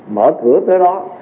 mở cửa tới đó